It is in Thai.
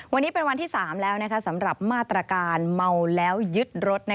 วันนี้เป็นวันที่๓แล้วสำหรับมาตรการเมาแล้วยึดรถ